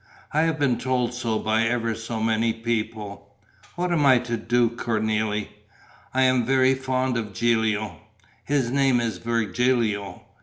I have been told so by ever so many people. What am I to do, Cornélie? I'm very fond of Gilio: his name is Virgilio.